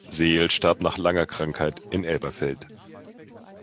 Seel starb nach langer Krankheit in Elberfeld.